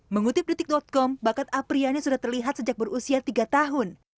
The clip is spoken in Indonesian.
mengutip detik com bakat apriyani sudah terlihat sejak berusia tiga tahun